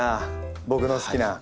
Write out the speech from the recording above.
僕の好きな。